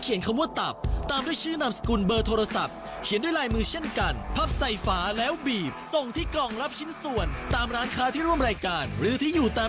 เชียบเหมือนบาดใจไปดูกฎิกาฮะ